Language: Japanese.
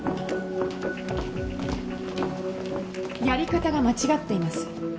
やり方が間違っています。